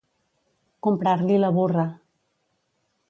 Comprar-li la burra.